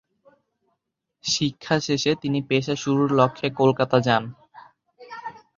শিক্ষা শেষে তিনি পেশা শুরুর লক্ষ্যে কলকাতা যান।